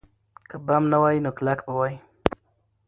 که بم نه وای، نو کلک به وای.